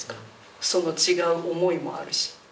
その違う思いもあるし。